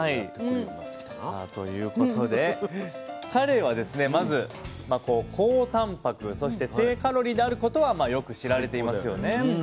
さあということでカレイはですねまず高たんぱくそして低カロリーであることはよく知られていますよね。